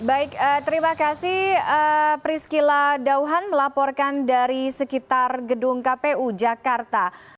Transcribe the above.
baik terima kasih priscila dauhan melaporkan dari sekitar gedung kpu jakarta